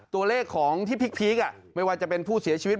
ตัวเลขของที่พีคไม่ว่าจะเป็นผู้เสียชีวิต